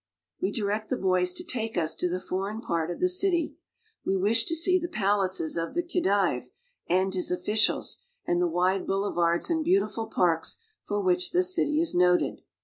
We direct the boys to take us to the foreign part of ■ the city. We wish to see the palaces of the Khedive and lua officials, and the wide boulevards and beautiful parks for which the city is noted.